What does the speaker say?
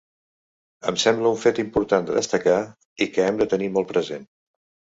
Em sembla un fet important de destacar i que hem de tenir molt present.